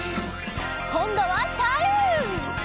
こんどはさる！